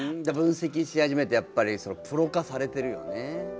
分析し始めるとやっぱりプロ化されてるよね。